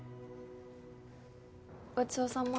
ごちそうさま。